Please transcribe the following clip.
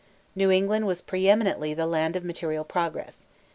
New England was preeminently the land of material progress.